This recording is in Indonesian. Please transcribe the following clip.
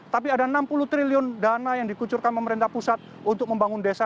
tapi ada enam puluh triliun dana yang dikucurkan pemerintah pusat untuk membangun desa